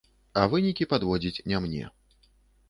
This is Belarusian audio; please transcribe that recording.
А вынікі падводзіць не мне.